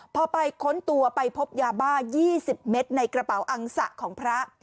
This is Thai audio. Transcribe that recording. พอไปค้นตัวไปพบยาบ้า๒๐เมตรในกระเป๋าอังสะของพระ